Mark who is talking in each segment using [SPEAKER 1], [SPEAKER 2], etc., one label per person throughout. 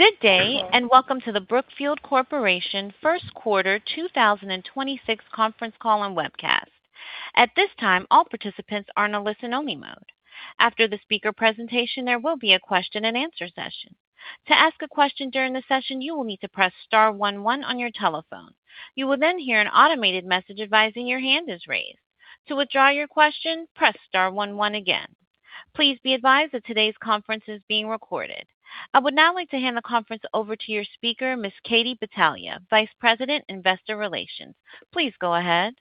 [SPEAKER 1] Good day. Welcome to the Brookfield Corporation first quarter 2026 conference call and webcast. At this time, all participants are in a listen-only mode. After the speaker presentation, there will be a question-and-answer session. To ask a question during the session, you will need to press star one one on your telephone. You will hear an automated message advising your hand is raised. To withdraw your question, press star one one again. Please be advised that today's conference is being recorded. I would now like to hand the conference over to your speaker, Ms. Katie Battaglia, Vice President, Investor Relations. Please go ahead.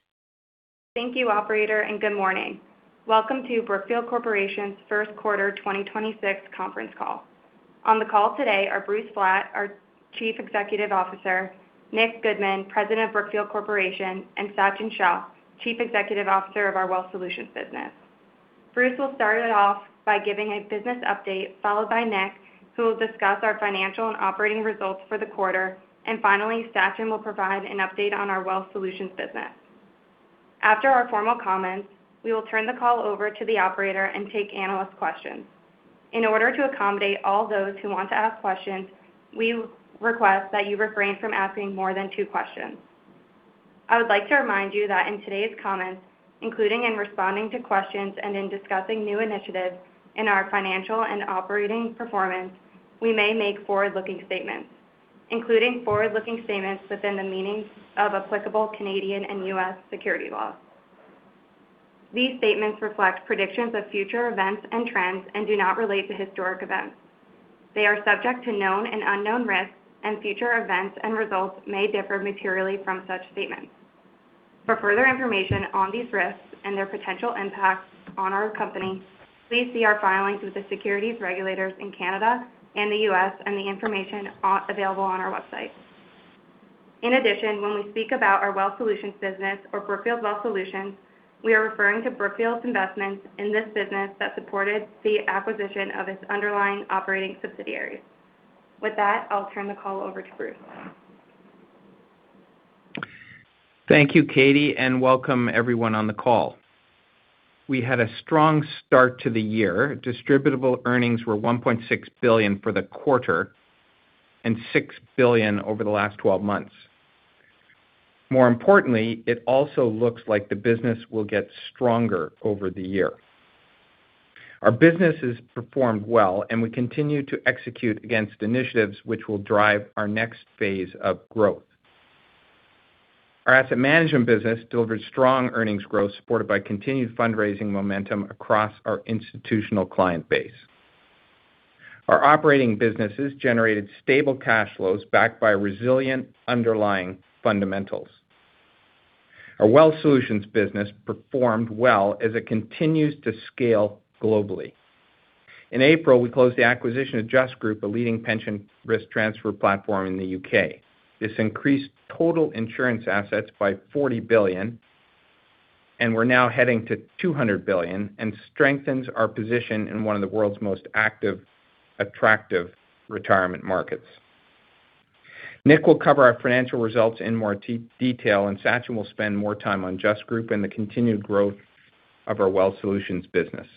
[SPEAKER 2] Thank you, operator, good morning. Welcome to Brookfield Corporation's first quarter 2026 conference call. On the call today are Bruce Flatt, our Chief Executive Officer; Nick Goodman, President of Brookfield Corporation; and Sachin Shah, Chief Executive Officer of our Wealth Solutions business. Bruce will start it off by giving a business update, followed by Nick, who will discuss our financial and operating results for the quarter. Finally, Sachin will provide an update on our Wealth Solutions business. After our formal comments, we will turn the call over to the operator and take analyst questions. In order to accommodate all those who want to ask questions, we request that you refrain from asking more than two questions. I would like to remind you that in today's comments, including in responding to questions and in discussing new initiatives in our financial and operating performance, we may make forward-looking statements, including forward-looking statements within the meaning of applicable Canadian and U.S. security laws. These statements reflect predictions of future events and trends and do not relate to historic events. They are subject to known and unknown risks, and future events and results may differ materially from such statements. For further information on these risks and their potential impacts on our company, please see our filings with the securities regulators in Canada and the U.S. and the information available on our website. In addition, when we speak about our Wealth Solutions business or Brookfield Wealth Solutions, we are referring to Brookfield's investments in this business that supported the acquisition of its underlying operating subsidiaries. With that, I'll turn the call over to Bruce.
[SPEAKER 3] Thank you, Katie, and welcome everyone on the call. We had a strong start to the year. Distributable earnings were $1.6 billion for the quarter and $6 billion over the last 12 months. More importantly, it also looks like the business will get stronger over the year. Our businesses performed well. We continue to execute against initiatives which will drive our next phase of growth. Our asset management business delivered strong earnings growth supported by continued fundraising momentum across our institutional client base. Our operating businesses generated stable cash flows backed by resilient underlying fundamentals. Our Wealth Solutions business performed well as it continues to scale globally. In April, we closed the acquisition of Just Group, a leading pension risk transfer platform in the U.K. This increased total insurance assets by $40 billion, and we're now heading to $200 billion and strengthens our position in one of the world's most active, attractive retirement markets. Nick will cover our financial results in more detail, and Sachin will spend more time on Just Group and the continued growth of our Wealth Solutions business.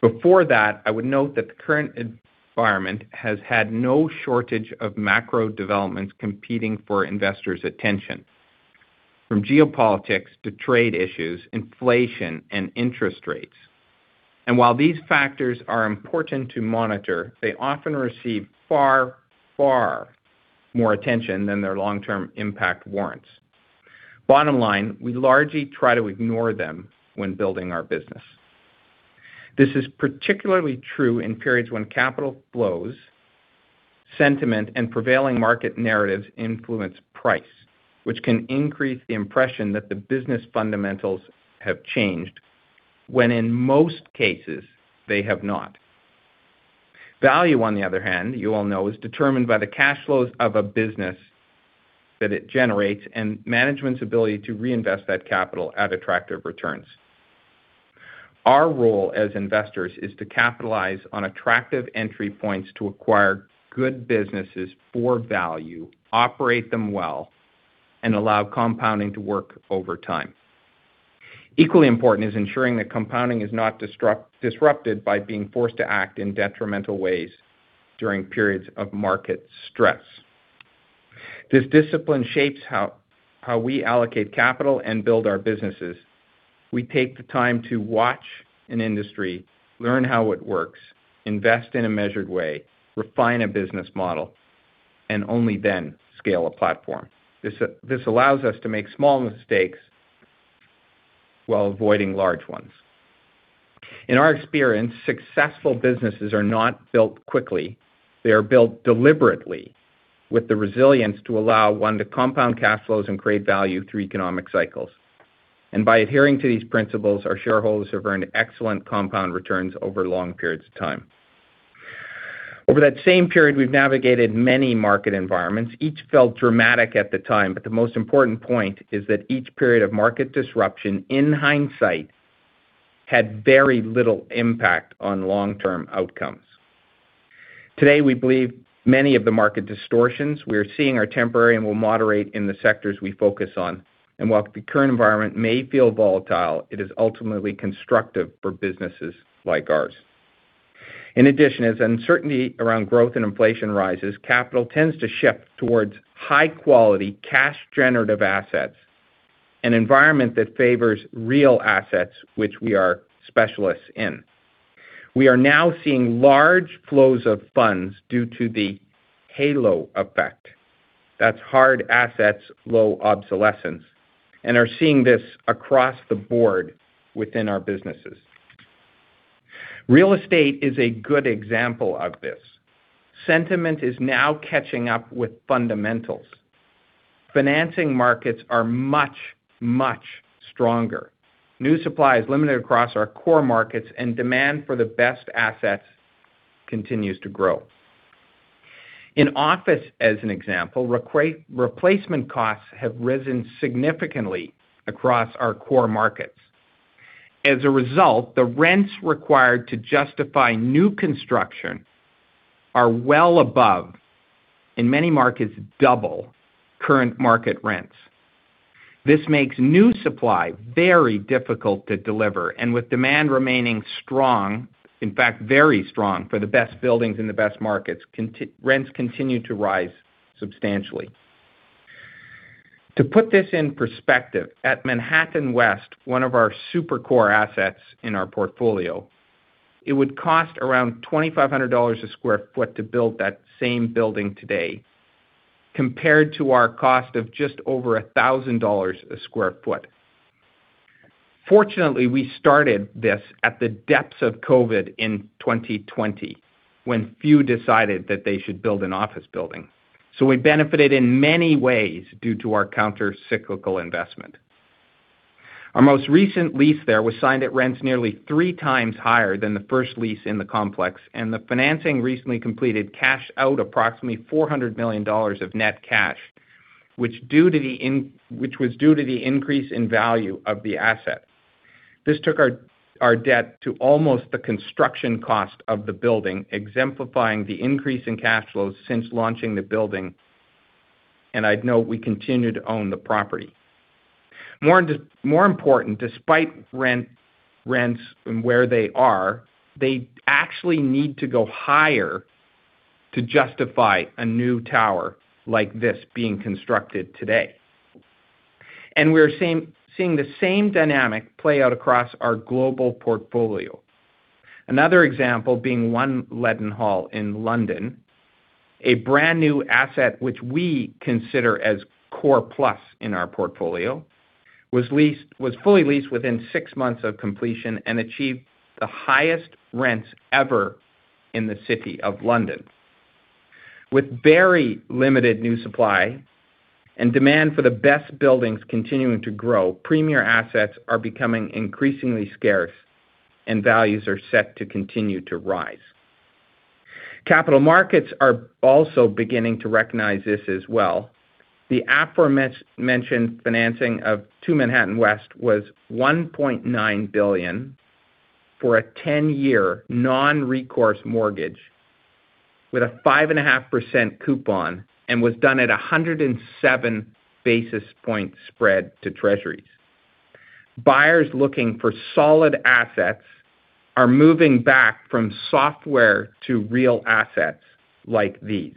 [SPEAKER 3] Before that, I would note that the current environment has had no shortage of macro developments competing for investors' attention, from geopolitics to trade issues, inflation, and interest rates. While these factors are important to monitor, they often receive far more attention than their long-term impact warrants. Bottom line, we largely try to ignore them when building our business. This is particularly true in periods when capital flows, sentiment, and prevailing market narratives influence price, which can increase the impression that the business fundamentals have changed when in most cases they have not. Value, on the other hand, you all know, is determined by the cash flows of a business that it generates and management's ability to reinvest that capital at attractive returns. Our role as investors is to capitalize on attractive entry points to acquire good businesses for value, operate them well, and allow compounding to work over time. Equally important is ensuring that compounding is not disrupted by being forced to act in detrimental ways during periods of market stress. This discipline shapes how we allocate capital and build our businesses. We take the time to watch an industry, learn how it works, invest in a measured way, refine a business model, and only then scale a platform. This allows us to make small mistakes while avoiding large ones. In our experience, successful businesses are not built quickly. They are built deliberately with the resilience to allow one to compound cash flows and create value through economic cycles. By adhering to these principles, our shareholders have earned excellent compound returns over long periods of time. Over that same period, we've navigated many market environments. Each felt dramatic at the time, but the most important point is that each period of market disruption in hindsight had very little impact on long-term outcomes. Today, we believe many of the market distortions we are seeing are temporary and will moderate in the sectors we focus on. While the current environment may feel volatile, it is ultimately constructive for businesses like ours. In addition, as uncertainty around growth and inflation rises, capital tends to shift towards high quality cash generative assets, an environment that favors real assets, which we are specialists in. We are now seeing large flows of funds due to the HALO effect. That's Hard Assets, Low Obsolescence, and are seeing this across the board within our businesses. Real estate is a good example of this. Sentiment is now catching up with fundamentals. Financing markets are much stronger. New supply is limited across our core markets. Demand for the best assets continues to grow. In office, as an example, replacement costs have risen significantly across our core markets. As a result, the rents required to justify new construction are well above, in many markets, double current market rents. This makes new supply very difficult to deliver, and with demand remaining strong, in fact very strong for the best buildings in the best markets, rents continue to rise substantially. To put this in perspective, at Manhattan West, one of our Super Core assets in our portfolio, it would cost around $2,500 a square foot to build that same building today compared to our cost of just over $1,000 a square foot. Fortunately, we started this at the depths of COVID in 2020 when few decided that they should build an office building. We benefited in many ways due to our counter-cyclical investment. Our most recent lease there was signed at rents nearly three times higher than the first lease in the complex, the financing recently completed cash out approximately $400 million of net cash, which was due to the increase in value of the asset. This took our debt to almost the construction cost of the building, exemplifying the increase in cash flows since launching the building, I'd note we continue to own the property. More important, despite rents and where they are, they actually need to go higher to justify a new tower like this being constructed today. We're seeing the same dynamic play out across our global portfolio. Another example being One Leadenhall in London, a brand-new asset which we consider as Core Plus in our portfolio, was fully leased within six months of completion and achieved the highest rents ever in the City of London. With very limited new supply and demand for the best buildings continuing to grow, premier assets are becoming increasingly scarce, and values are set to continue to rise. Capital markets are also beginning to recognize this as well. The aforementioned financing of Two Manhattan West was $1.9 billion for a 10-year non-recourse mortgage with a 5.5% coupon and was done at 107 basis points spread to treasuries. Buyers looking for solid assets are moving back from software to real assets like these.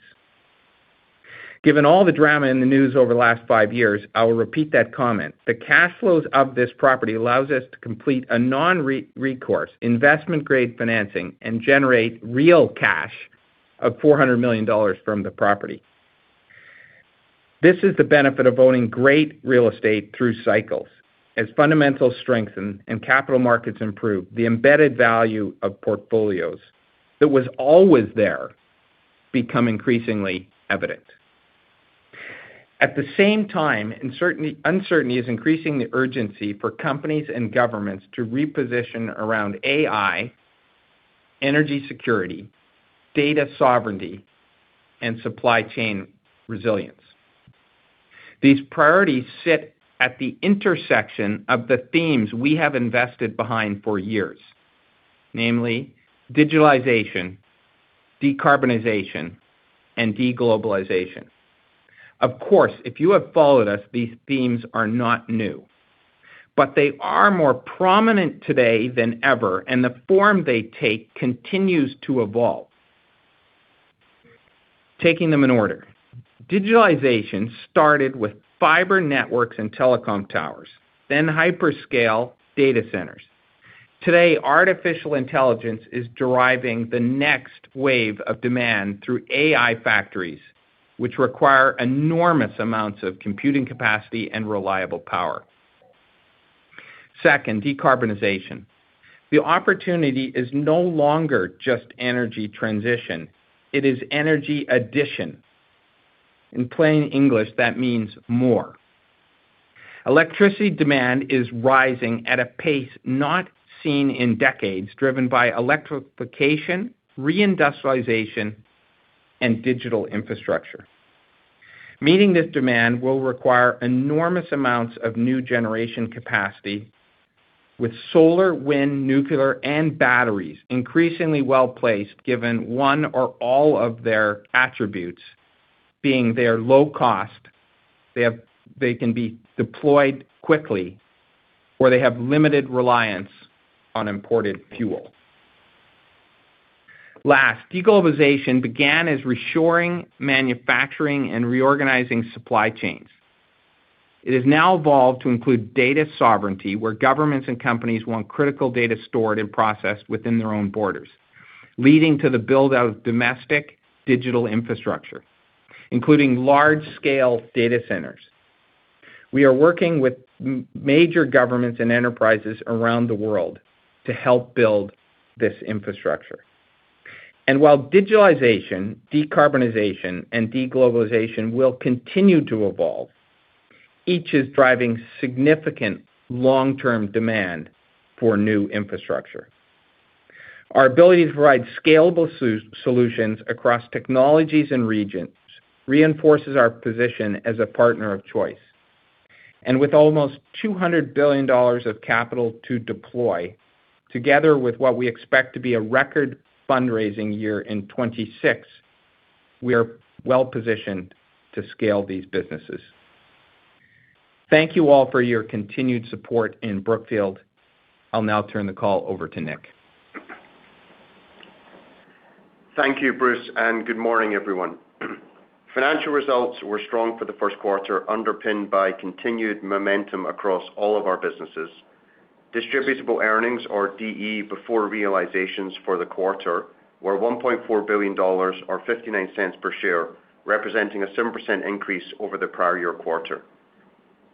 [SPEAKER 3] Given all the drama in the news over the last five years, I will repeat that comment. The cash flows of this property allows us to complete a non-recourse investment grade financing and generate real cash of $400 million from the property. This is the benefit of owning great real estate through cycles. Fundamentals strengthen and capital markets improve, the embedded value of portfolios that was always there become increasingly evident. At the same time, uncertainty is increasing the urgency for companies and governments to reposition around AI, energy security, data sovereignty, and supply chain resilience. These priorities sit at the intersection of the themes we have invested behind for years, namely digitalization, decarbonization, and deglobalization. Of course, if you have followed us, these themes are not new, they are more prominent today than ever, and the form they take continues to evolve. Taking them in order. Digitalization started with fiber networks and telecom towers, hyperscale data centers. Today, artificial intelligence is driving the next wave of demand through AI factories, which require enormous amounts of computing capacity and reliable power. Second, decarbonization. The opportunity is no longer just energy transition. It is energy addition. In plain English, that means more. Electricity demand is rising at a pace not seen in decades, driven by electrification, reindustrialization, and digital infrastructure. Meeting this demand will require enormous amounts of new generation capacity with solar, wind, nuclear, and batteries increasingly well-placed given one or all of their attributes being their low cost. They can be deployed quickly where they have limited reliance on imported fuel. Last, deglobalization began as reshoring manufacturing and reorganizing supply chains. It has now evolved to include data sovereignty, where governments and companies want critical data stored and processed within their own borders, leading to the build-out of domestic digital infrastructure, including large-scale data centers. We are working with major governments and enterprises around the world to help build this infrastructure. While digitalization, decarbonization, and deglobalization will continue to evolve, each is driving significant long-term demand for new infrastructure. Our ability to provide scalable solutions across technologies and regions reinforces our position as a partner of choice. With almost $200 billion of capital to deploy, together with what we expect to be a record fundraising year in 2026, we are well positioned to scale these businesses. Thank you all for your continued support in Brookfield. I'll now turn the call over to Nick.
[SPEAKER 4] Thank you, Bruce. Good morning, everyone. Financial results were strong for the first quarter, underpinned by continued momentum across all of our businesses. Distributable earnings or DE before realizations for the quarter were $1.4 billion or $0.59 per share, representing a 7% increase over the prior year quarter.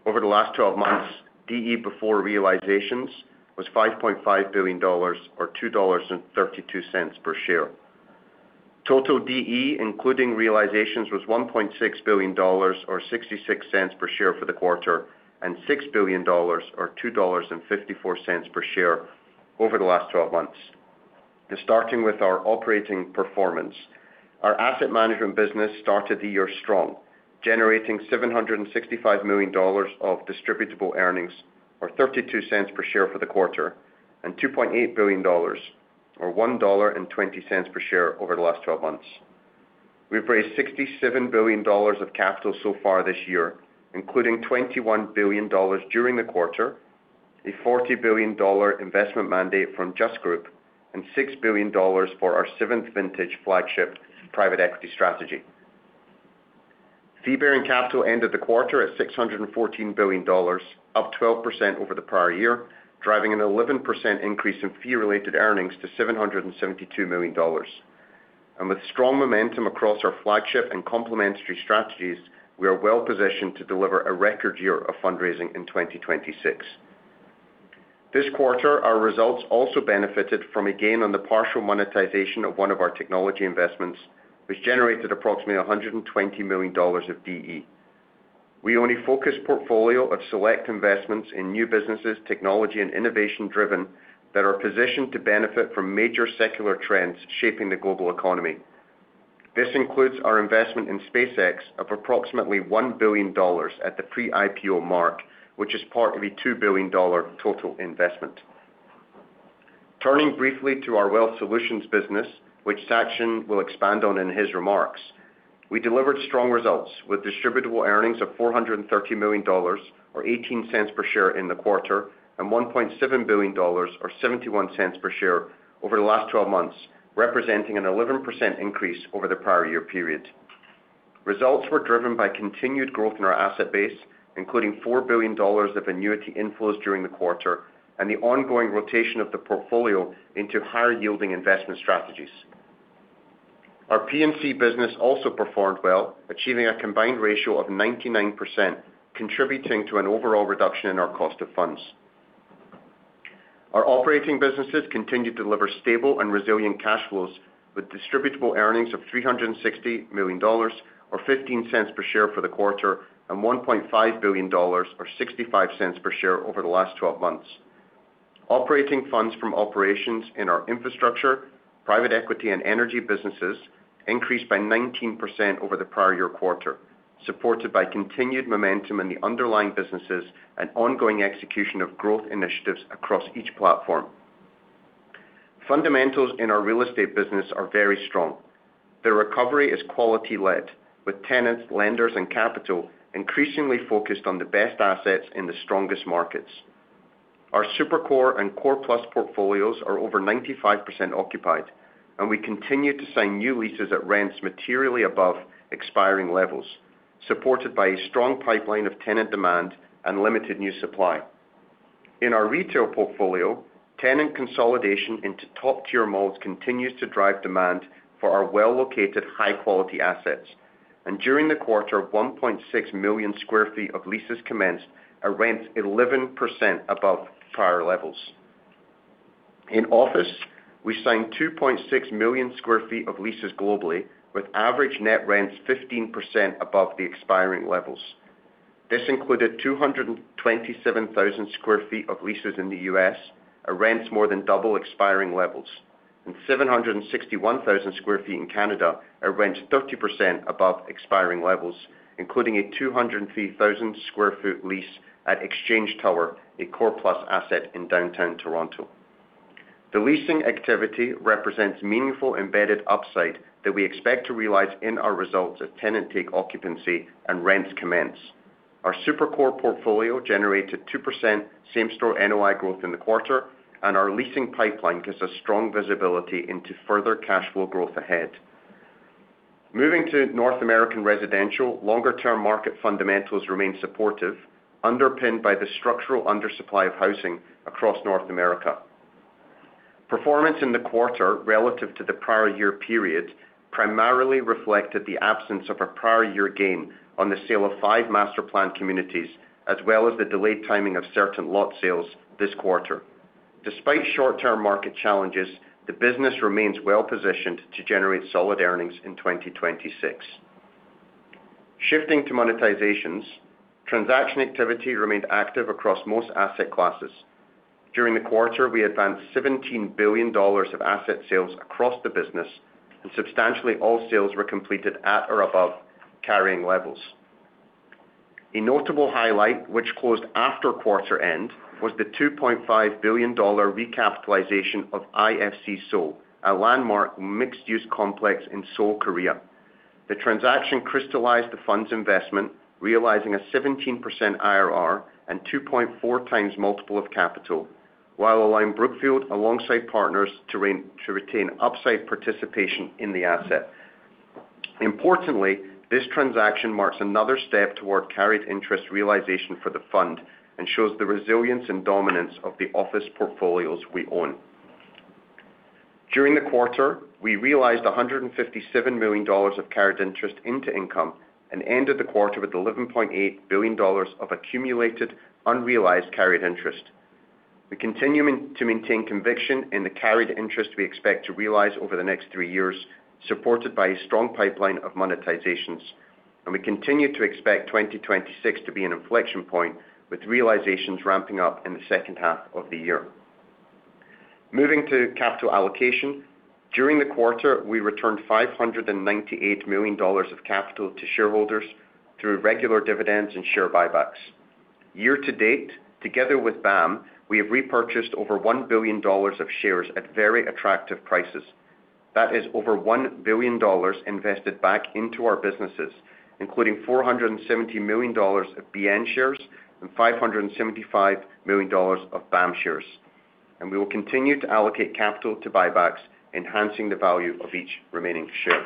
[SPEAKER 4] Over the last 12 months, DE before realizations was $5.5 billion or $2.32 per share. Total DE, including realizations, was $1.6 billion or $0.66 per share for the quarter, and $6 billion or $2.54 per share over the last 12 months. Starting with our operating performance. Our asset management business started the year strong, generating $765 million of distributable earnings or $0.32 per share for the quarter, and $2.8 billion or $1.20 per share over the last 12 months. We've raised $67 billion of capital so far this year, including $21 billion during the quarter, a $40 billion investment mandate from Just Group, and $6 billion for our 7th vintage flagship private equity strategy. Fee-bearing capital ended the quarter at $614 billion, up 12% over the prior year, driving an 11% increase in fee-related earnings to $772 million. With strong momentum across our flagship and complementary strategies, we are well positioned to deliver a record year of fundraising in 2026. This quarter, our results also benefited from a gain on the partial monetization of one of our technology investments, which generated approximately $120 million of DE. We own a focused portfolio of select investments in new businesses, technology, and innovation-driven that are positioned to benefit from major secular trends shaping the global economy. This includes our investment in SpaceX of approximately $1 billion at the pre-IPO mark, which is part of a $2 billion total investment. Turning briefly to our Wealth Solutions business, which Sachin will expand on in his remarks. We delivered strong results with Distributable earnings of $430 million or $0.18 per share in the quarter, and $1.7 billion or $0.71 per share over the last 12 months, representing an 11% increase over the prior year period. Results were driven by continued growth in our asset base, including $4 billion of annuity inflows during the quarter and the ongoing rotation of the portfolio into higher-yielding investment strategies. Our P&C business also performed well, achieving a combined ratio of 99%, contributing to an overall reduction in our cost of funds. Our operating businesses continue to deliver stable and resilient cash flows with distributable earnings of $360 million or $0.15 per share for the quarter, and $1.5 billion or $0.65 per share over the last 12 months. Operating funds from operations in our infrastructure, private equity, and energy businesses increased by 19% over the prior year quarter, supported by continued momentum in the underlying businesses and ongoing execution of growth initiatives across each platform. Fundamentals in our real estate business are very strong. The recovery is quality-led, with tenants, lenders, and capital increasingly focused on the best assets in the strongest markets. Our Super Core and Core Plus portfolios are over 95% occupied, we continue to sign new leases at rents materially above expiring levels, supported by a strong pipeline of tenant demand and limited new supply. In our retail portfolio, tenant consolidation into top-tier malls continues to drive demand for our well-located high-quality assets. During the quarter, 1.6 million sq ft of leases commenced at rents 11% above prior levels. In office, we signed 2.6 million sq ft of leases globally, with average net rents 15% above the expiring levels. This included 227,000 sq ft of leases in the U.S. at rents more than double expiring levels, and 761,000 sq ft in Canada at rents 30% above expiring levels, including a 203,000 sq ft lease at Exchange Tower, a Core Plus asset in downtown Toronto. The leasing activity represents meaningful embedded upside that we expect to realize in our results as tenant take occupancy and rents commence. Our Super Core portfolio generated 2% same-store NOI growth in the quarter, and our leasing pipeline gives us strong visibility into further cash flow growth ahead. Moving to North American residential, longer-term market fundamentals remain supportive, underpinned by the structural undersupply of housing across North America. Performance in the quarter relative to the prior year period primarily reflected the absence of a prior year gain on the sale of five master-planned communities, as well as the delayed timing of certain lot sales this quarter. Despite short-term market challenges, the business remains well-positioned to generate solid earnings in 2026. Shifting to monetizations, transaction activity remained active across most asset classes. During the quarter, we advanced $17 billion of asset sales across the business, and substantially all sales were completed at or above carrying levels. A notable highlight, which closed after quarter end, was the $2.5 billion recapitalization of IFC Seoul, a landmark mixed-use complex in Seoul, Korea. The transaction crystallized the fund's investment, realizing a 17% IRR and 2.4x multiple of capital, while allowing Brookfield alongside partners to retain upside participation in the asset. Importantly, this transaction marks another step toward carried interest realization for the fund and shows the resilience and dominance of the office portfolios we own. During the quarter, we realized $157 million of carried interest into income and ended the quarter with $11.8 billion of accumulated unrealized carried interest. We continue to maintain conviction in the carried interest we expect to realize over the next three years, supported by a strong pipeline of monetizations. We continue to expect 2026 to be an inflection point, with realizations ramping up in the second half of the year. Moving to capital allocation. During the quarter, we returned $598 million of capital to shareholders through regular dividends and share buybacks. Year-to-date, together with BAM, we have repurchased over $1 billion of shares at very attractive prices. That is over $1 billion invested back into our businesses, including $470 million of BN shares and $575 million of BAM shares. We will continue to allocate capital to buybacks, enhancing the value of each remaining share.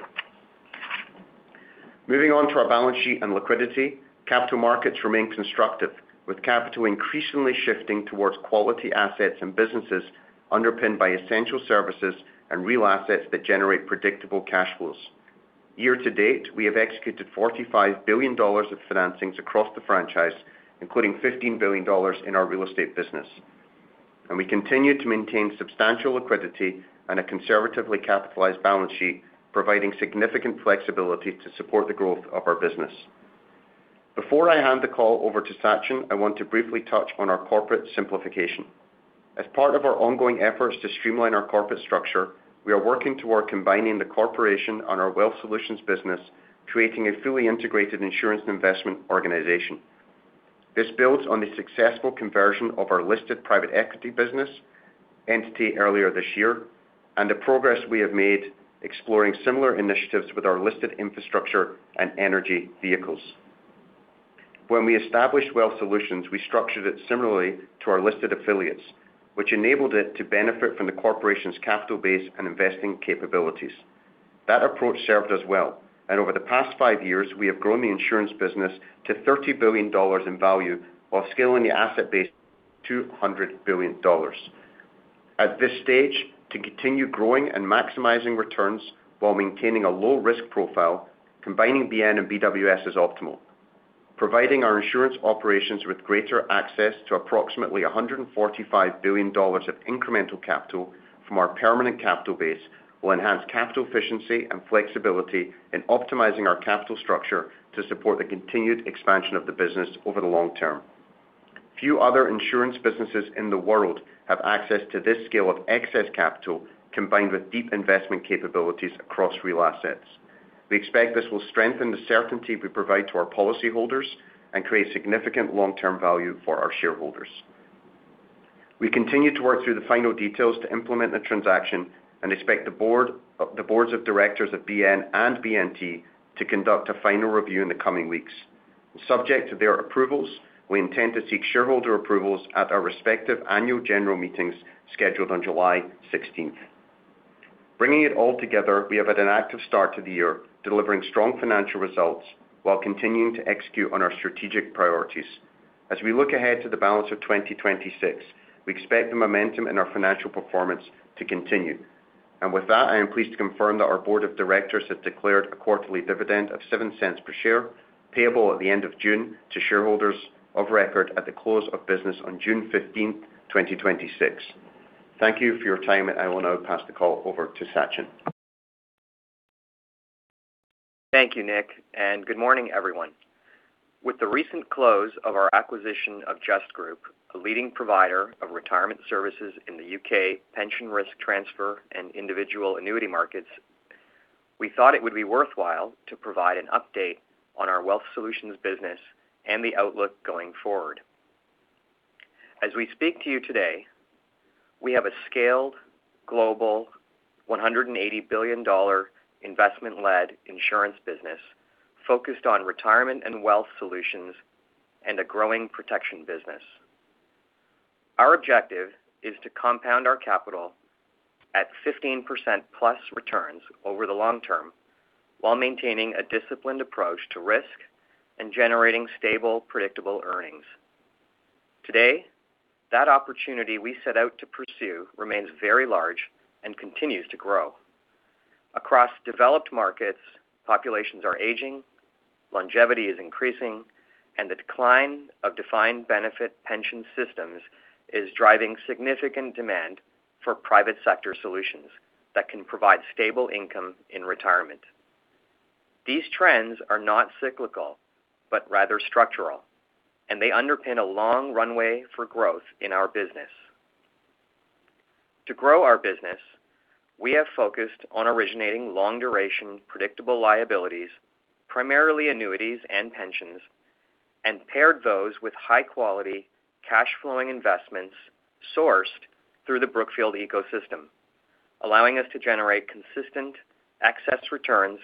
[SPEAKER 4] Moving on to our balance sheet and liquidity. Capital markets remain constructive, with capital increasingly shifting towards quality assets and businesses underpinned by essential services and real assets that generate predictable cash flows. Year-to-date, we have executed $45 billion of financings across the franchise, including $15 billion in our real estate business. We continue to maintain substantial liquidity and a conservatively capitalized balance sheet, providing significant flexibility to support the growth of our business. Before I hand the call over to Sachin, I want to briefly touch on our corporate simplification. As part of our ongoing efforts to streamline our corporate structure, we are working toward combining the corporation and our Wealth Solutions business, creating a fully integrated insurance and investment organization. This builds on the successful conversion of our listed private equity business entity earlier this year and the progress we have made exploring similar initiatives with our listed infrastructure and energy vehicles. When we established Wealth Solutions, we structured it similarly to our listed affiliates, which enabled it to benefit from the corporation's capital base and investing capabilities. That approach served us well, and over the past five years, we have grown the insurance business to $30 billion in value while scaling the asset base to $200 billion. At this stage, to continue growing and maximizing returns while maintaining a low risk profile, combining BN and BWS is optimal. Providing our insurance operations with greater access to approximately $145 billion of incremental capital from our permanent capital base will enhance capital efficiency and flexibility in optimizing our capital structure to support the continued expansion of the business over the long term. Few other insurance businesses in the world have access to this scale of excess capital combined with deep investment capabilities across real assets. We expect this will strengthen the certainty we provide to our policyholders and create significant long-term value for our shareholders. We continue to work through the final details to implement the transaction and expect the boards of directors of BN and BWS to conduct a final review in the coming weeks. Subject to their approvals, we intend to seek shareholder approvals at our respective annual general meetings scheduled on July 16th. Bringing it all together, we have had an active start to the year, delivering strong financial results while continuing to execute on our strategic priorities. As we look ahead to the balance of 2026, we expect the momentum in our financial performance to continue. With that, I am pleased to confirm that our board of directors have declared a quarterly dividend of $0.07 per share, payable at the end of June to shareholders of record at the close of business on June 15th, 2026. Thank you for your time. I will now pass the call over to Sachin.
[SPEAKER 5] Thank you, Nick, and good morning, everyone. With the recent close of our acquisition of Just Group, a leading provider of retirement services in the U.K. pension risk transfer and individual annuity markets. We thought it would be worthwhile to provide an update on our Wealth Solutions business and the outlook going forward. As we speak to you today, we have a scaled global $180 billion investment-led insurance business focused on retirement and Wealth Solutions and a growing protection business. Our objective is to compound our capital at 15%+ returns over the long term while maintaining a disciplined approach to risk and generating stable, predictable earnings. Today, that opportunity we set out to pursue remains very large and continues to grow. Across developed markets, populations are aging, longevity is increasing, and the decline of defined benefit pension systems is driving significant demand for private sector solutions that can provide stable income in retirement. These trends are not cyclical, but rather structural, and they underpin a long runway for growth in our business. To grow our business, we have focused on originating long-duration, predictable liabilities, primarily annuities and pensions, and paired those with high-quality, cash-flowing investments sourced through the Brookfield ecosystem, allowing us to generate consistent excess returns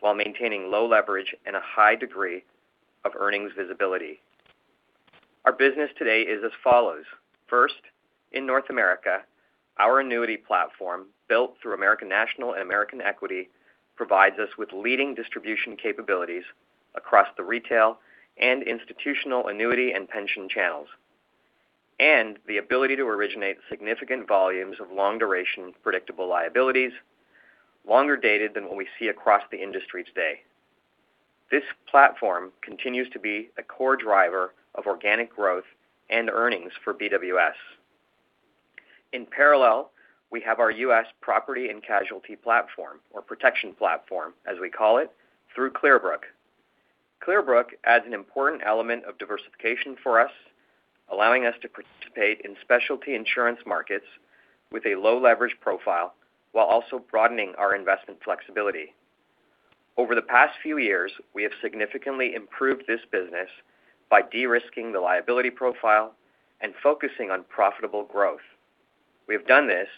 [SPEAKER 5] while maintaining low leverage and a high degree of earnings visibility. Our business today is as follows. First, in North America, our annuity platform, built through American National and American Equity, provides us with leading distribution capabilities across the retail and institutional annuity and pension channels, and the ability to originate significant volumes of long-duration, predictable liabilities, longer dated than what we see across the industry today. This platform continues to be a core driver of organic growth and earnings for BWS. In parallel, we have our U.S. property and casualty platform, or protection platform, as we call it, through Clearbrook. Clearbrook adds an important element of diversification for us, allowing us to participate in specialty insurance markets with a low leverage profile while also broadening our investment flexibility. Over the past few years, we have significantly improved this business by de-risking the liability profile and focusing on profitable growth. We have done this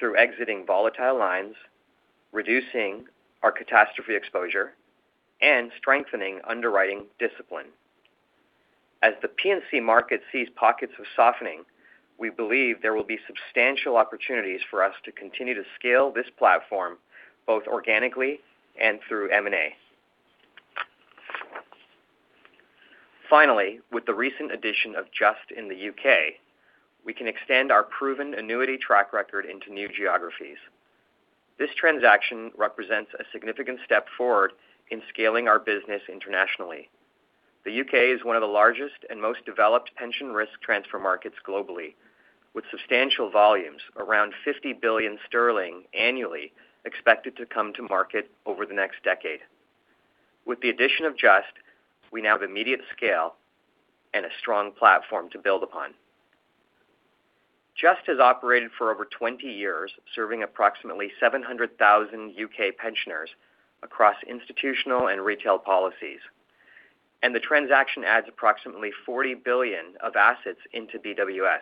[SPEAKER 5] through exiting volatile lines, reducing our catastrophe exposure, and strengthening underwriting discipline. As the P&C market sees pockets of softening, we believe there will be substantial opportunities for us to continue to scale this platform, both organically and through M&A. Finally, with the recent addition of Just in the U.K., we can extend our proven annuity track record into new geographies. This transaction represents a significant step forward in scaling our business internationally. The U.K. is one of the largest and most developed pension risk transfer markets globally, with substantial volumes around 50 billion sterling annually expected to come to market over the next decade. With the addition of Just, we now have immediate scale and a strong platform to build upon. Just has operated for over 20 years, serving approximately 700,000 U.K. pensioners across institutional and retail policies, and the transaction adds approximately 40 billion of assets into BWS.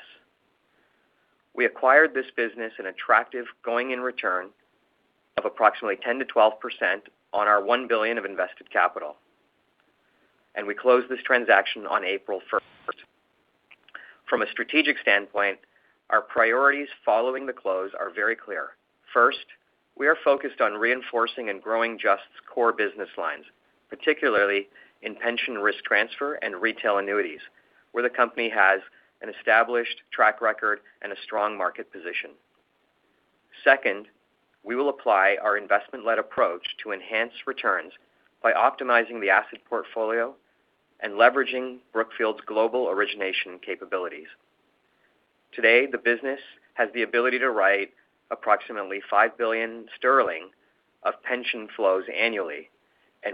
[SPEAKER 5] We acquired this business an attractive going-in return of approximately 10%-12% on our $1 billion of invested capital. We closed this transaction on April 1st. From a strategic standpoint, our priorities following the close are very clear. First, we are focused on reinforcing and growing Just's core business lines, particularly in pension risk transfer and retail annuities, where the company has an established track record and a strong market position. Second, we will apply our investment-led approach to enhance returns by optimizing the asset portfolio and leveraging Brookfield's global origination capabilities. Today, the business has the ability to write approximately 5 billion sterling of pension flows annually.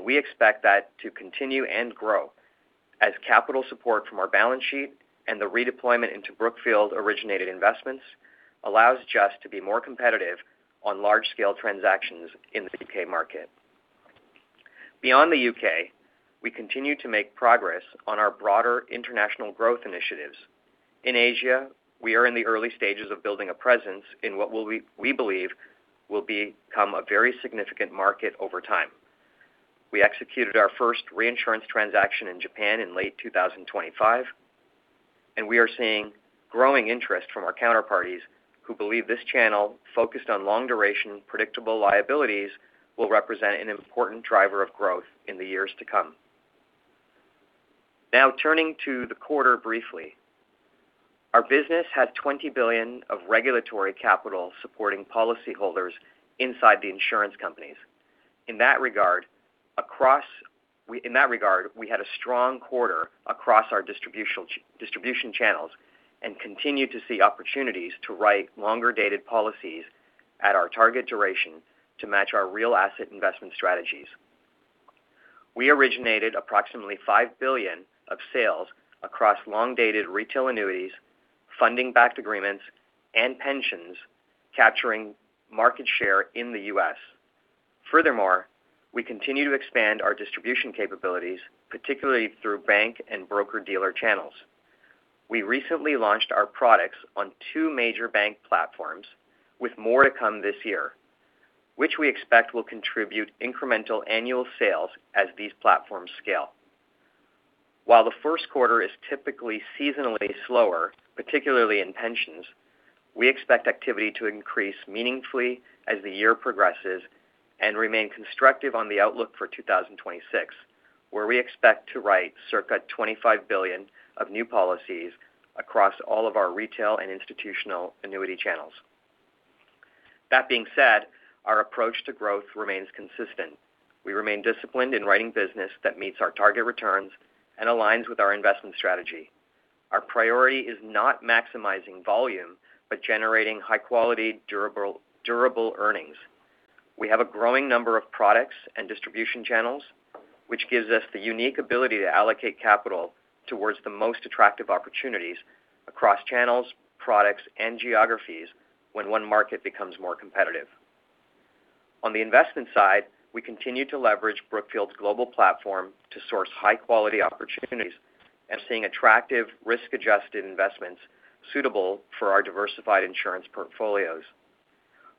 [SPEAKER 5] We expect that to continue and grow as capital support from our balance sheet and the redeployment into Brookfield-originated investments allows Just to be more competitive on large-scale transactions in the U.K. market. Beyond the U.K., we continue to make progress on our broader international growth initiatives. In Asia, we are in the early stages of building a presence in what we believe will become a very significant market over time. We executed our first reinsurance transaction in Japan in late 2025. We are seeing growing interest from our counterparties who believe this channel focused on long-duration, predictable liabilities will represent an important driver of growth in the years to come. Turning to the quarter briefly. Our business had $20 billion of regulatory capital supporting policyholders inside the insurance companies. In that regard, we had a strong quarter across our distribution channels and continue to see opportunities to write longer-dated policies at our target duration to match our real asset investment strategies. We originated approximately $5 billion of sales across long-dated retail annuities, funding agreement-backed, and pensions capturing market share in the U.S. Furthermore, we continue to expand our distribution capabilities, particularly through bank and broker-dealer channels. We recently launched our products on two major bank platforms with more to come this year, which we expect will contribute incremental annual sales as these platforms scale. While the first quarter is typically seasonally slower, particularly in pensions, we expect activity to increase meaningfully as the year progresses and remain constructive on the outlook for 2026, where we expect to write circa $25 billion of new policies across all of our retail and institutional annuity channels. That being said, our approach to growth remains consistent. We remain disciplined in writing business that meets our target returns and aligns with our investment strategy. Our priority is not maximizing volume, but generating high quality, durable earnings. We have a growing number of products and distribution channels, which gives us the unique ability to allocate capital towards the most attractive opportunities across channels, products, and geographies when one market becomes more competitive. On the investment side, we continue to leverage Brookfield's global platform to source high-quality opportunities and are seeing attractive risk-adjusted investments suitable for our diversified insurance portfolios.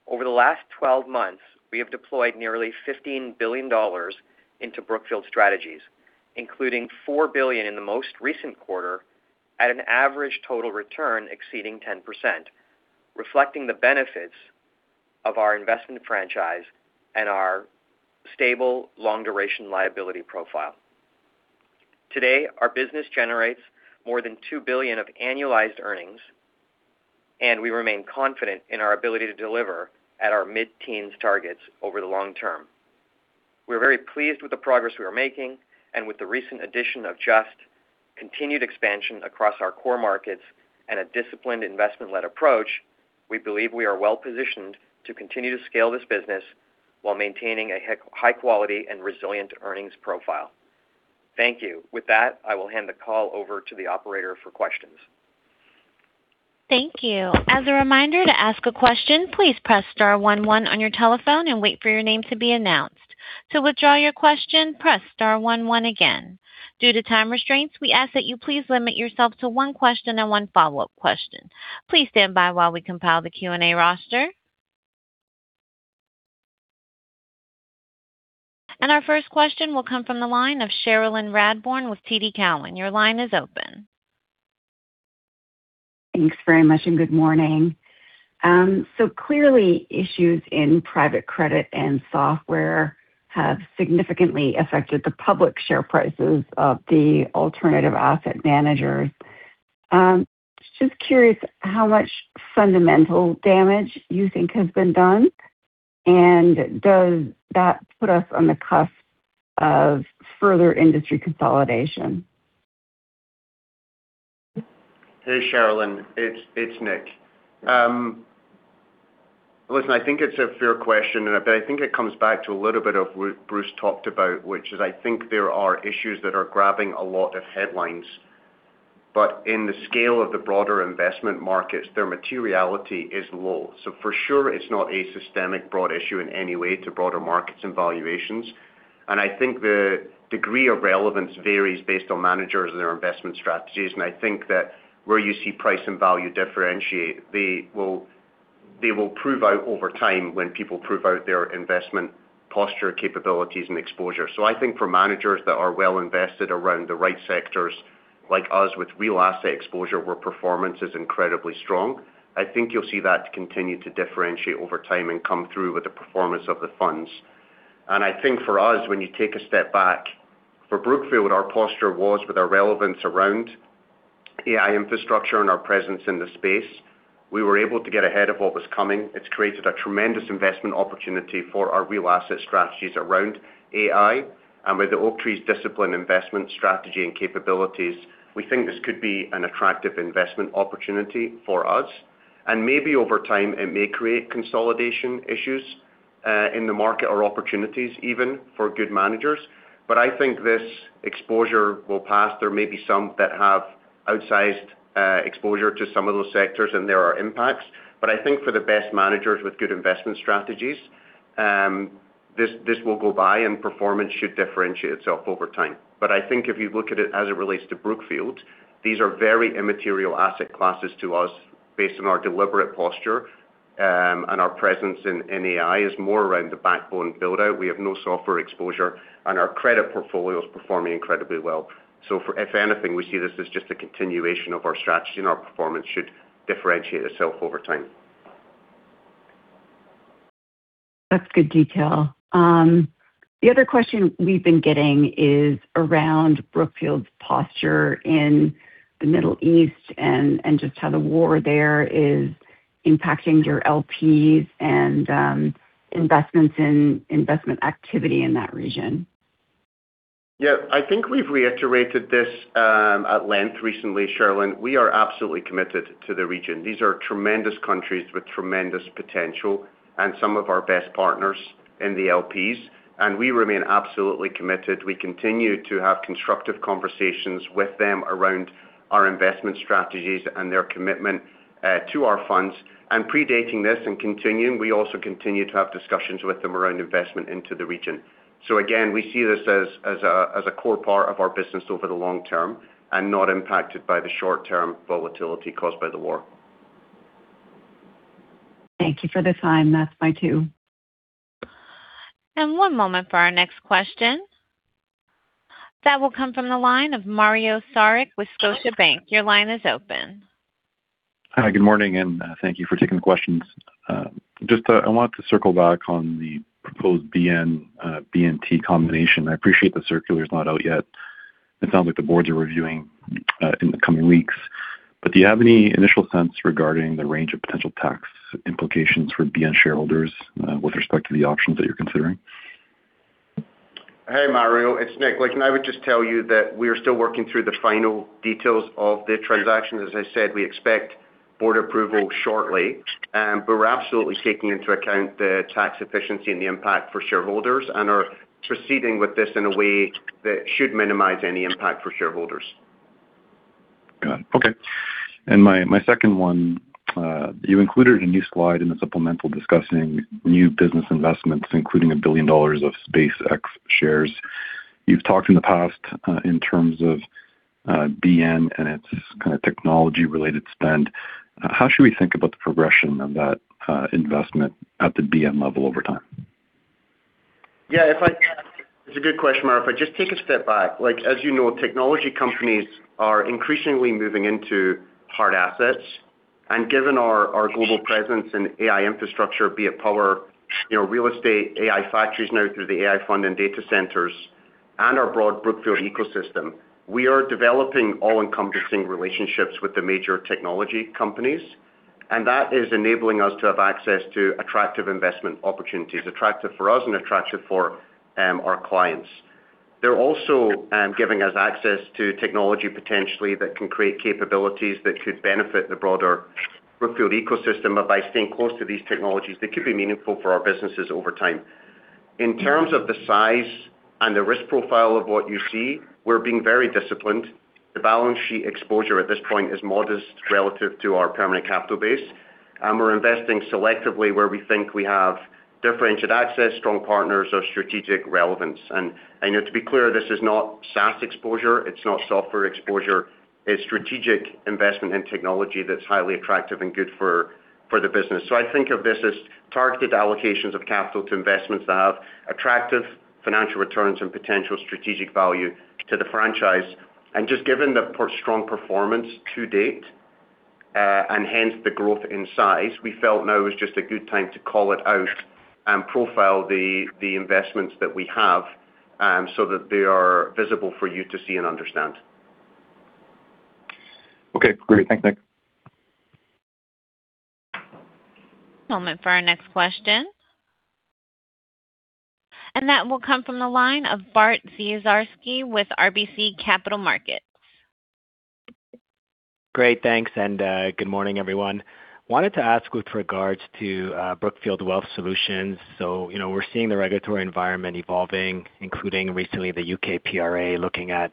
[SPEAKER 5] Over the last 12 months, we have deployed nearly $15 billion into Brookfield strategies, including $4 billion in the most recent quarter at an average total return exceeding 10%, reflecting the benefits of our investment franchise and our stable long-duration liability profile. Today, our business generates more than $2 billion of annualized earnings, and we remain confident in our ability to deliver at our mid-teens targets over the long term. We are very pleased with the progress we are making and with the recent addition of Just, continued expansion across our core markets and a disciplined investment-led approach, we believe we are well-positioned to continue to scale this business while maintaining a high quality and resilient earnings profile. Thank you. With that, I will hand the call over to the operator for questions.
[SPEAKER 1] Thank you. Our first question will come from the line of Cherilyn Radbourne with TD Cowen. Your line is open.
[SPEAKER 6] Thanks very much. Good morning. Clearly, issues in private credit and software have significantly affected the public share prices of the alternative asset managers. Just curious how much fundamental damage you think has been done, and does that put us on the cusp of further industry consolidation?
[SPEAKER 4] Hey, Cherilyn. It's Nick. Listen, I think it's a fair question, but I think it comes back to a little bit of what Bruce talked about, which is I think there are issues that are grabbing a lot of headlines. In the scale of the broader investment markets, their materiality is low. For sure it's not a systemic broad issue in any way to broader markets and valuations. I think the degree of relevance varies based on managers and their investment strategies. I think that where you see price and value differentiate, they will prove out over time when people prove out their investment posture, capabilities, and exposure. I think for managers that are well invested around the right sectors, like us with real asset exposure, where performance is incredibly strong, I think you'll see that continue to differentiate over time and come through with the performance of the funds. I think for us, when you take a step back, for Brookfield, our posture was with our relevance around AI infrastructure and our presence in the space. We were able to get ahead of what was coming. It's created a tremendous investment opportunity for our real asset strategies around AI. With Oaktree's discipline, investment strategy, and capabilities, we think this could be an attractive investment opportunity for us. Maybe over time, it may create consolidation issues in the market or opportunities even for good managers. I think this exposure will pass. There may be some that have outsized exposure to some of those sectors, and there are impacts. I think for the best managers with good investment strategies, this will go by and performance should differentiate itself over time. I think if you look at it as it relates to Brookfield, these are very immaterial asset classes to us based on our deliberate posture, and our presence in AI is more around the backbone build-out. We have no software exposure, and our credit portfolio is performing incredibly well. If anything, we see this as just a continuation of our strategy, and our performance should differentiate itself over time.
[SPEAKER 6] That's good detail. The other question we've been getting is around Brookfield's posture in the Middle East and just how the war there is impacting your LPs and investments in investment activity in that region.
[SPEAKER 4] Yeah, I think we've reiterated this at length recently, Cherilyn. We are absolutely committed to the region. These are tremendous countries with tremendous potential and some of our best partners in the LPs, and we remain absolutely committed. We continue to have constructive conversations with them around our investment strategies and their commitment to our funds. Predating this and continuing, we also continue to have discussions with them around investment into the region. Again, we see this as a core part of our business over the long term and not impacted by the short-term volatility caused by the war.
[SPEAKER 6] Thank you for the time. That's my two.
[SPEAKER 1] One moment for our next question. That will come from the line of Mario Saric with Scotiabank. Your line is open.
[SPEAKER 7] Hi, good morning, and thank you for taking the questions. Just, I wanted to circle back on the proposed BN, BNT combination. I appreciate the circular's not out yet, it sounds like the boards are reviewing, in the coming weeks. Do you have any initial sense regarding the range of potential tax implications for BN shareholders, with respect to the options that you're considering?
[SPEAKER 4] Hey, Mario. It's Nick. Look, I would just tell you that we are still working through the final details of the transaction. As I said, we expect board approval shortly. We're absolutely taking into account the tax efficiency and the impact for shareholders and are proceeding with this in a way that should minimize any impact for shareholders.
[SPEAKER 7] Got it. Okay. My second one, you included a new slide in the supplemental discussing new business investments, including $1 billion of SpaceX shares. You've talked in the past, in terms of, BN and its kinda technology-related spend. How should we think about the progression of that, investment at the BN level over time?
[SPEAKER 4] Yeah, if I it's a good question, Mario. If I just take a step back, like, as you know, technology companies are increasingly moving into hard assets. Given our global presence in AI infrastructure, be it power, you know, real estate, AI factories now through the AI Fund and data centers, and our broad Brookfield ecosystem, we are developing all-encompassing relationships with the major technology companies, and that is enabling us to have access to attractive investment opportunities, attractive for us and attractive for our clients. They're also giving us access to technology potentially that can create capabilities that could benefit the broader Brookfield ecosystem. By staying close to these technologies, they could be meaningful for our businesses over time. In terms of the size and the risk profile of what you see, we're being very disciplined. The balance sheet exposure at this point is modest relative to our permanent capital base. We're investing selectively where we think we have differentiated access, strong partners, or strategic relevance. You know, to be clear, this is not SaaS exposure, it's not software exposure. It's strategic investment in technology that's highly attractive and good for the business. I think of this as targeted allocations of capital to investments that have attractive financial returns and potential strategic value to the franchise. Just given the strong performance to date, and hence the growth in size, we felt now was just a good time to call it out and profile the investments that we have, so that they are visible for you to see and understand.
[SPEAKER 7] Okay, great. Thanks, Nick.
[SPEAKER 1] Moment for our next question. That will come from the line of Bart Dziarski with RBC Capital Markets.
[SPEAKER 8] Great, thanks. Good morning, everyone. Wanted to ask with regards to Brookfield Wealth Solutions. You know, we're seeing the regulatory environment evolving, including recently the U.K. PRA looking at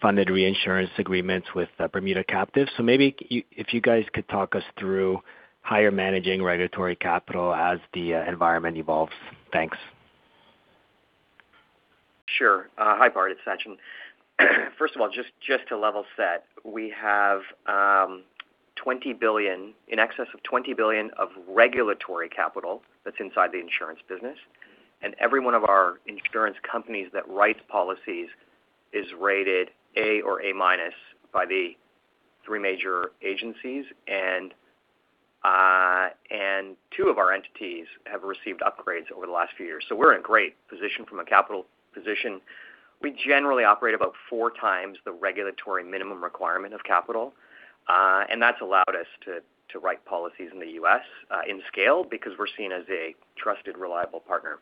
[SPEAKER 8] funded reinsurance agreements with Bermuda Captive. Maybe if you guys could talk us through how you're managing regulatory capital as the environment evolves. Thanks.
[SPEAKER 5] Sure. Hi, Bart. It's Sachin. First of all, just to level set, we have in excess of $20 billion of regulatory capital that's inside the insurance business. Every one of our insurance companies that writes policies is rated A or A- by the three major agencies. Two of our entities have received upgrades over the last few years. We're in great position from a capital position. We generally operate about four times the regulatory minimum requirement of capital, and that's allowed us to write policies in the U.S. in scale because we're seen as a trusted, reliable partner.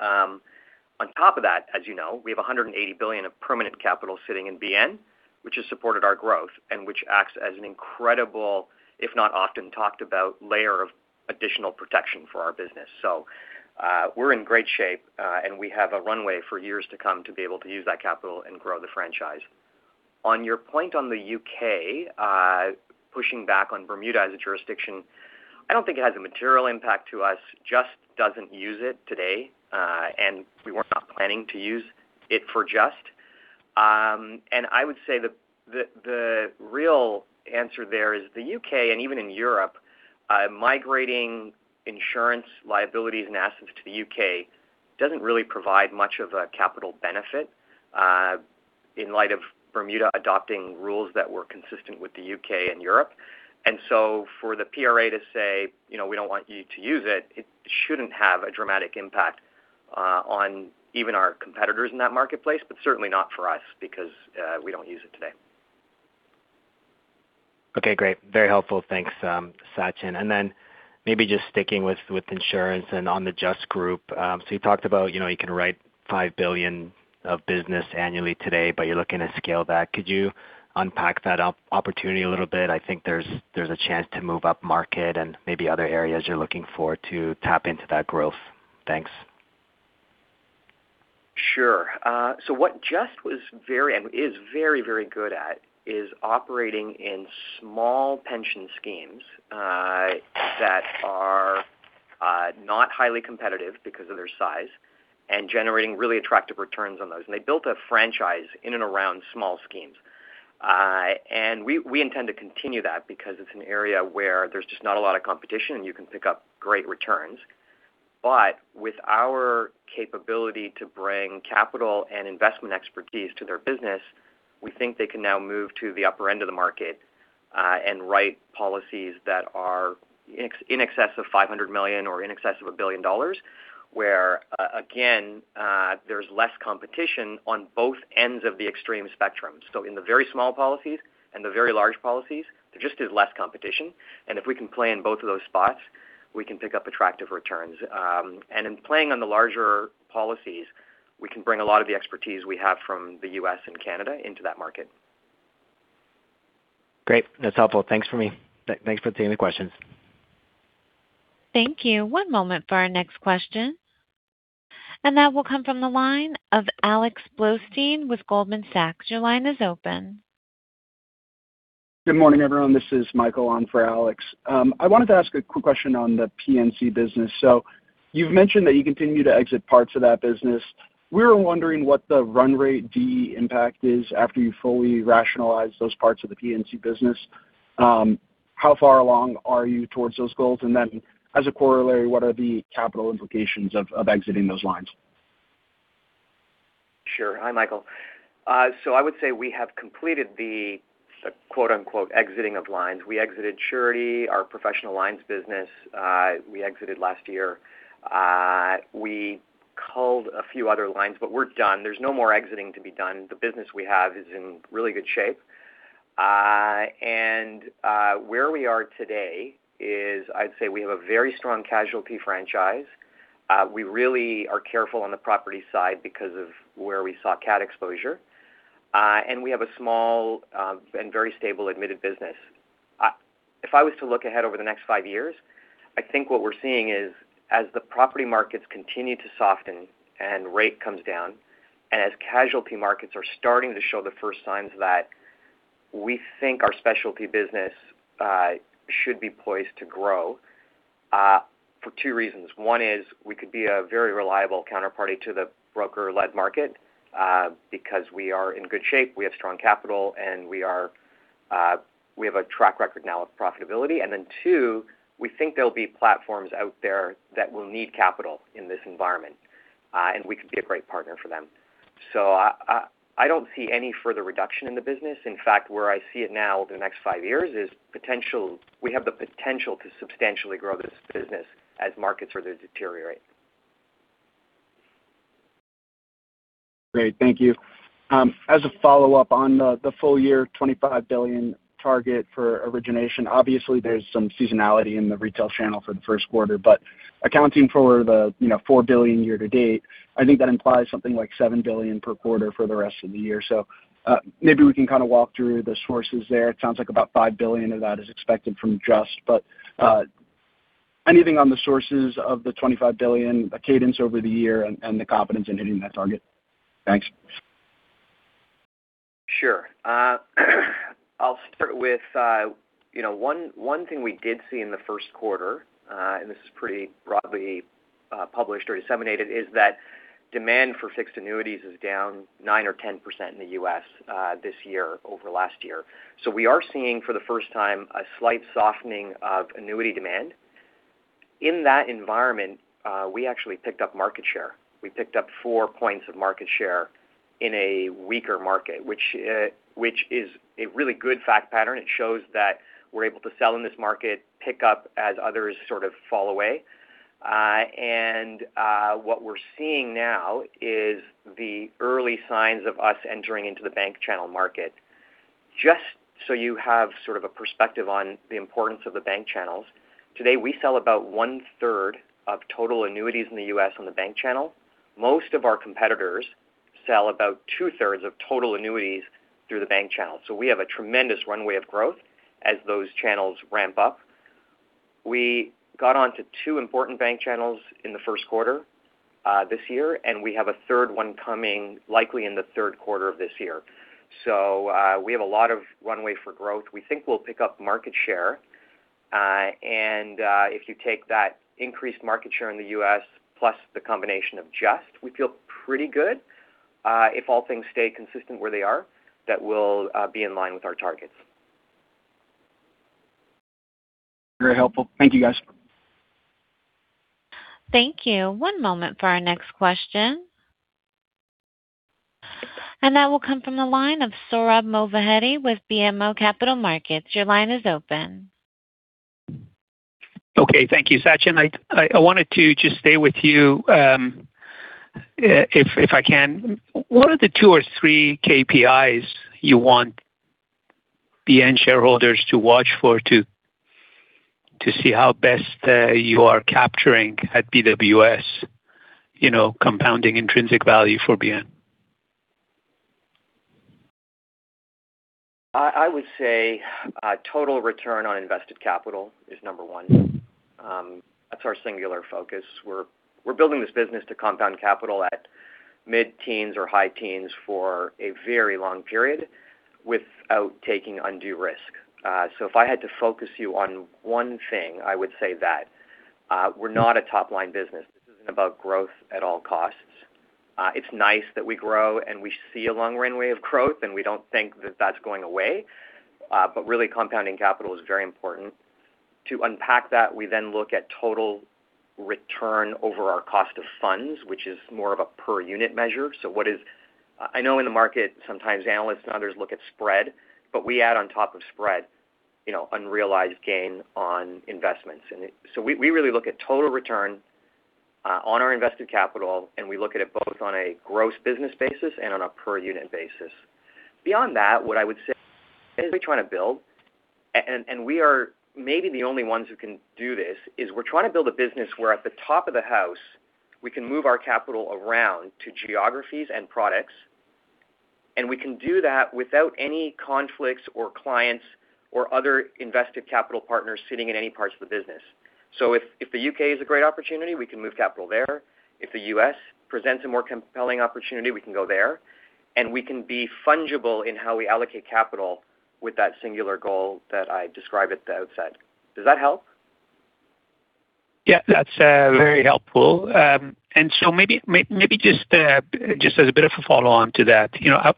[SPEAKER 5] On top of that, as you know, we have $180 billion of permanent capital sitting in BN, which has supported our growth and which acts as an incredible, if not often talked about, layer of additional protection for our business. We're in great shape, and we have a runway for years to come to be able to use that capital and grow the franchise. On your point on the U.K., pushing back on Bermuda as a jurisdiction, I don't think it has a material impact to us. Just doesn't use it today, and we were not planning to use it for Just. I would say the, the real answer there is the U.K. and even in Europe, migrating insurance liabilities and assets to the U.K. doesn't really provide much of a capital benefit, in light of Bermuda adopting rules that were consistent with the U.K. and Europe. So for the PRA to say, you know, "We don't want you to use it," it shouldn't have a dramatic impact, on even our competitors in that marketplace, but certainly not for us because, we don't use it today.
[SPEAKER 8] Okay, great. Very helpful. Thanks, Sachin. Maybe just sticking with insurance and on the Just Group. You talked about, you know, you can write $5 billion of business annually today, but you're looking to scale that. Could you unpack that opportunity a little bit? I think there's a chance to move up market and maybe other areas you're looking for to tap into that growth. Thanks.
[SPEAKER 5] Sure. So what Just was very and is very, very good at is operating in small pension schemes that are not highly competitive because of their size and generating really attractive returns on those. And they built a franchise in and around small schemes. And we intend to continue that because it's an area where there's just not a lot of competition, and you can pick up great returns. With our capability to bring capital and investment expertise to their business, we think they can now move to the upper end of the market and write policies that are in excess of $500 million or in excess of $1 billion, where, again, there's less competition on both ends of the extreme spectrum. In the very small policies and the very large policies, there just is less competition. If we can play in both of those spots, we can pick up attractive returns. In playing on the larger policies, we can bring a lot of the expertise we have from the U.S. and Canada into that market.
[SPEAKER 8] Great. That's helpful. Thanks for me. Thanks for taking the questions.
[SPEAKER 1] Thank you. One moment for our next question. That will come from the line of Alex Blostein with Goldman Sachs. Your line is open.
[SPEAKER 9] Good morning, everyone. This is Michael on for Alex. I wanted to ask a quick question on the P&C business. You've mentioned that you continue to exit parts of that business. We were wondering what the run rate DE impact is after you fully rationalize those parts of the P&C business. How far along are you towards those goals? As a corollary, what are the capital implications of exiting those lines?
[SPEAKER 5] Sure. Hi, Michael. I would say we have completed the quote-unquote exiting of lines. We exited Surety, our professional lines business, we exited last year. We culled a few other lines, but we're done. There's no more exiting to be done. The business we have is in really good shape. And where we are today is I'd say we have a very strong casualty franchise. We really are careful on the property side because of where we saw cat exposure. And we have a small and very stable admitted business. If I was to look ahead over the next five years, I think what we're seeing is as the property markets continue to soften and rate comes down, and as casualty markets are starting to show the first signs that we think our specialty business should be poised to grow for two reasons. One is we could be a very reliable counterparty to the broker-led market because we are in good shape, we have strong capital, and we are, we have a track record now of profitability. Two, we think there'll be platforms out there that will need capital in this environment, and we could be a great partner for them. I don't see any further reduction in the business. In fact, where I see it now over the next five years is potential. We have the potential to substantially grow this business as markets further deteriorate.
[SPEAKER 9] Great. Thank you. As a follow-up on the full year $25 billion target for origination, obviously there's some seasonality in the retail channel for the first quarter, but accounting for the, you know, $4 billion year-to-date, I think that implies something like $7 billion per quarter for the rest of the year. Maybe we can kind of walk through the sources there. It sounds like about $5 billion of that is expected from Just, but anything on the sources of the $25 billion cadence over the year and the confidence in hitting that target? Thanks.
[SPEAKER 5] Sure. I'll start with one thing we did see in the first quarter, and this is pretty broadly published or disseminated, is that demand for fixed annuities is down 9% or 10% in the U.S. this year over last year. We are seeing for the first time a slight softening of annuity demand. In that environment, we actually picked up market share. We picked up four points of market share in a weaker market, which is a really good fact pattern. It shows that we're able to sell in this market, pick up as others sort of fall away. What we're seeing now is the early signs of us entering into the bank channel market. Just so you have sort of a perspective on the importance of the bank channels, today we sell about 1/3 of total annuities in the U.S. on the bank channel. Most of our competitors sell about 2/3 of total annuities through the bank channel. We have a tremendous runway of growth as those channels ramp up. We got onto two important bank channels in the first quarter this year, and we have a third one coming likely in the third quarter of this year. We have a lot of runway for growth. We think we'll pick up market share. If you take that increased market share in the U.S. plus the combination of Just, we feel pretty good if all things stay consistent where they are, that we'll be in line with our targets.
[SPEAKER 9] Very helpful. Thank you, guys.
[SPEAKER 1] Thank you. One moment for our next question. That will come from the line of Sohrab Movahedi with BMO Capital Markets.
[SPEAKER 10] Okay. Thank you. Sachin, I wanted to just stay with you, if I can. What are the two or three KPIs you want BN shareholders to watch for to see how best you are capturing at BWS, you know, compounding intrinsic value for BN?
[SPEAKER 5] I would say, total return on invested capital is number one. That's our singular focus. We're building this business to compound capital at mid-teens or high teens for a very long period without taking undue risk. If I had to focus you on one thing, I would say that we're not a top-line business. This isn't about growth at all costs. It's nice that we grow, and we see a long runway of growth, and we don't think that that's going away. Really compounding capital is very important. To unpack that, we then look at total return over our cost of funds, which is more of a per unit measure. What is I know in the market sometimes analysts and others look at spread, but we add on top of spread, you know, unrealized gain on investments. We really look at total return on our invested capital, and we look at it both on a gross business basis and on a per unit basis. Beyond that, we are maybe the only ones who can do this, is we're trying to build a business where at the top of the house we can move our capital around to geographies and products, and we can do that without any conflicts or clients or other invested capital partners sitting in any parts of the business. If the U.K. is a great opportunity, we can move capital there. If the U.S. presents a more compelling opportunity, we can go there. We can be fungible in how we allocate capital with that singular goal that I described at the outset. Does that help?
[SPEAKER 10] Yeah, that's very helpful. Maybe just as a bit of a follow-on to that, you know,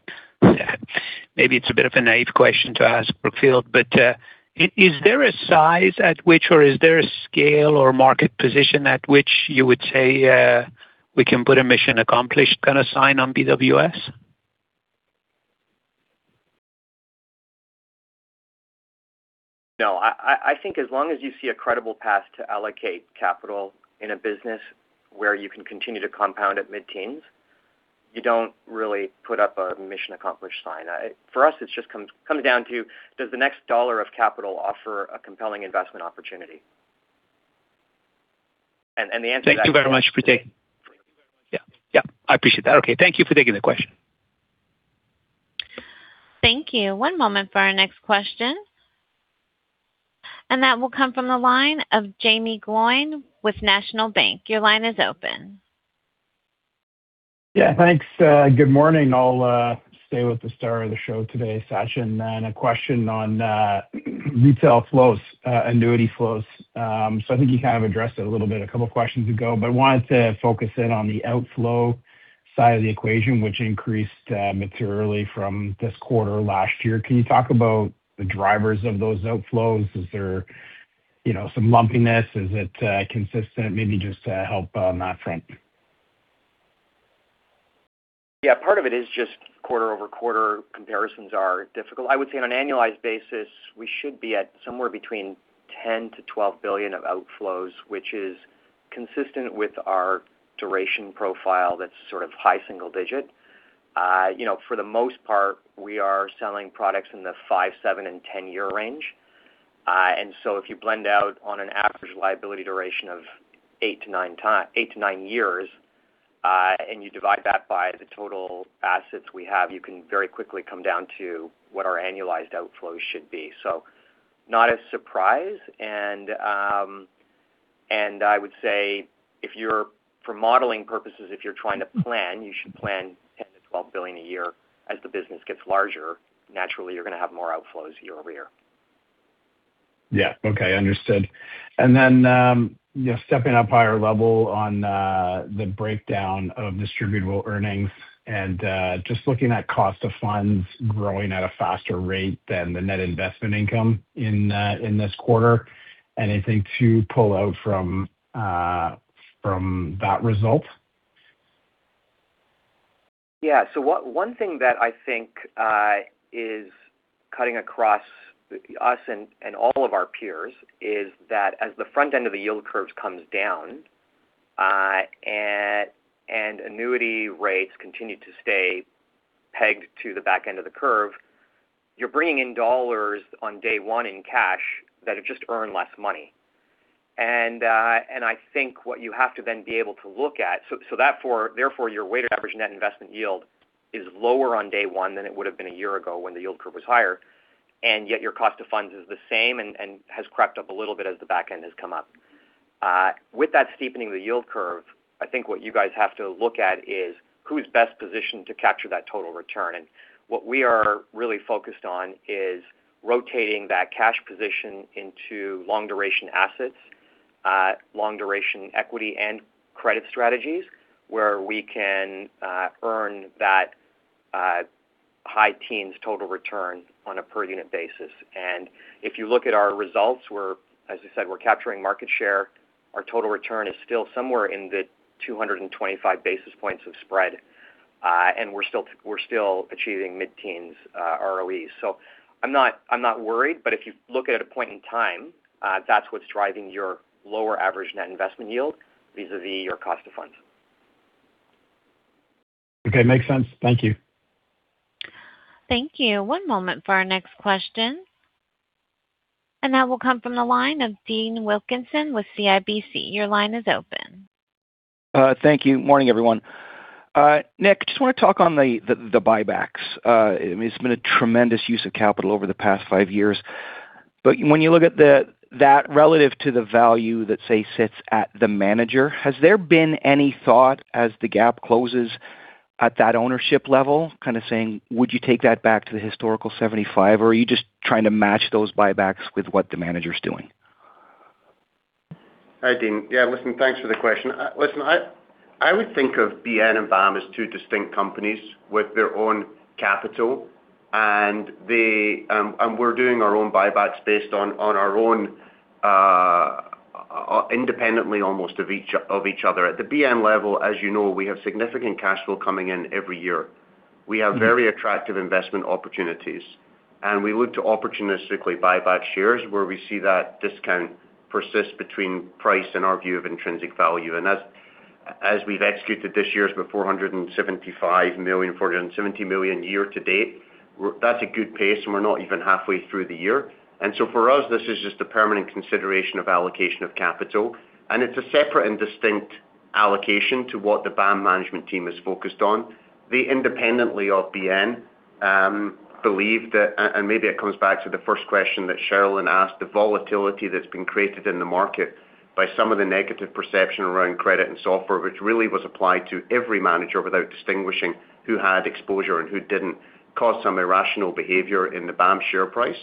[SPEAKER 10] maybe it's a bit of a naive question to ask Brookfield, but is there a size at which or is there a scale or market position at which you would say, we can put a mission accomplished kinda sign on BWS?
[SPEAKER 5] No. I think as long as you see a credible path to allocate capital in a business where you can continue to compound at mid-teens, you don't really put up a mission accomplished sign. For us, it just comes down to does the next dollar of capital offer a compelling investment opportunity.
[SPEAKER 10] Thank you very much, appreciate it. Yeah. Yeah. I appreciate that. Okay, thank you for taking the question.
[SPEAKER 1] Thank you. One moment for our next question. That will come from the line of Jaeme Gloyn with National Bank. Your line is open.
[SPEAKER 11] Thanks. Good morning. I'll stay with the star of the show today, Sachin. A question on retail flows, annuity flows. I think you kind of addressed it a little bit a couple questions ago, but I wanted to focus in on the outflow side of the equation, which increased materially from this quarter last year. Can you talk about the drivers of those outflows? Is there, you know, some lumpiness? Is it consistent? Maybe just help on that front.
[SPEAKER 5] Yeah. Part of it is just quarter-over-quarter comparisons are difficult. I would say on an annualized basis, we should be at somewhere between $10 billion-$12 billion of outflows, which is consistent with our duration profile that's sort of high single-digit. You know, for the most part, we are selling products in the five, seven, and 10-year range. If you blend out on an average liability duration of eight to nine years, and you divide that by the total assets we have, you can very quickly come down to what our annualized outflows should be. Not a surprise. I would say for modeling purposes, if you're trying to plan, you should plan $10 billion-$12 billion a year. As the business gets larger, naturally, you're gonna have more outflows year-over-year.
[SPEAKER 11] Yeah. Okay. Understood. You know, stepping up higher level on the breakdown of Distributable earnings and just looking at cost of funds growing at a faster rate than the net investment income in this quarter. Anything to pull out from that result?
[SPEAKER 5] One thing that I think is cutting across us and all of our peers is that as the front end of the yield curves comes down, and annuity rates continue to stay pegged to the back end of the curve, you're bringing in dollars on day one in cash that have just earned less money. I think what you have to then be able to look at. Therefore, your weighted average net investment yield is lower on day one than it would've been a year ago when the yield curve was higher, and yet your cost of funds is the same and has crept up a little bit as the back end has come up. With that steepening of the yield curve, I think what you guys have to look at is who's best positioned to capture that total return. What we are really focused on is rotating that cash position into long-duration assets, long-duration equity and credit strategies where we can earn that high teens total return on a per unit basis. If you look at our results, we're, as I said, we're capturing market share. Our total return is still somewhere in the 225 basis points of spread. We're still achieving mid-teens ROE. I'm not worried, but if you look at a point in time, that's what's driving your lower average net investment yield vis-a-vis your cost of funds.
[SPEAKER 11] Okay. Makes sense. Thank you.
[SPEAKER 1] Thank you. One moment for our next question. That will come from the line of Dean Wilkinson with CIBC. Your line is open.
[SPEAKER 12] Thank you. Morning, everyone. Nick, just wanna talk on the, the buybacks. I mean, it's been a tremendous use of capital over the past five years. When you look at the, that relative to the value that, say, sits at the manager, has there been any thought as the gap closes at that ownership level, kind of saying, would you take that back to the historical 75, or are you just trying to match those buybacks with what the manager's doing?
[SPEAKER 4] Hi, Dean. Yeah, listen, thanks for the question. Listen, I would think of BN and BAM as two distinct companies with their own capital, and we're doing our own buybacks based on our own independently almost of each other. At the BN level, as you know, we have significant cash flow coming in every year. We have very attractive investment opportunities, we look to opportunistically buy back shares where we see that discount persist between price and our view of intrinsic value. As we've executed this year with $475 million, $470 million year-to-date, that's a good pace. We're not even halfway through the year. For us, this is just a permanent consideration of allocation of capital, and it's a separate and distinct allocation to what the BAM management team is focused on. They independently of BN, believe that, and maybe it comes back to the first question that Cherilyn asked, the volatility that's been created in the market by some of the negative perception around credit and software, which really was applied to every manager without distinguishing who had exposure and who didn't, caused some irrational behavior in the BAM share price.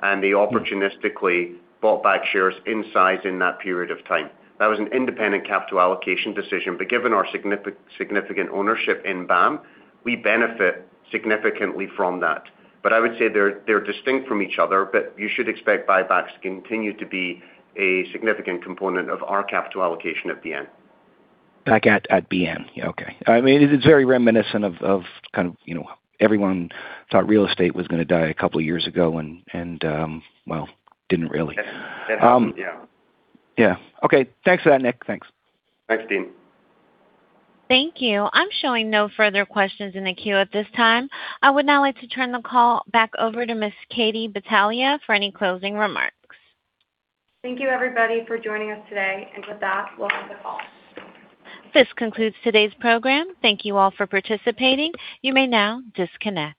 [SPEAKER 4] They opportunistically bought back shares in size in that period of time. That was an independent capital allocation decision, but given our significant ownership in BAM, we benefit significantly from that. I would say they're distinct from each other, but you should expect buybacks to continue to be a significant component of our capital allocation at BN.
[SPEAKER 12] Back at BN. Okay. I mean, it is very reminiscent of kind of, you know, everyone thought real estate was gonna die a couple years ago and, well, didn't really.
[SPEAKER 4] That happened, yeah.
[SPEAKER 12] Yeah. Okay. Thanks for that, Nick. Thanks.
[SPEAKER 4] Thanks, Dean.
[SPEAKER 1] Thank you. I am showing no further questions in the queue at this time. I would now like to turn the call back over to Ms. Katie Battaglia for any closing remarks.
[SPEAKER 2] Thank you, everybody, for joining us today. With that, we'll end the call.
[SPEAKER 1] This concludes today's program. Thank you all for participating. You may now disconnect.